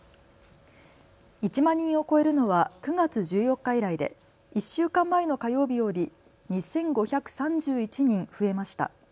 １万人を超えるのは９月１４日以来で１週間前の火曜日より２５３１人増えました。